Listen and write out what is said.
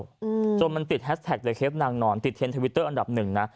อืมจนมันติดแฮสแท็กในเคปนางนอนติดเทนทวิตเตอร์อันดับหนึ่งนะ